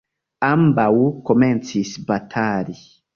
Ambaŭ komencis batali.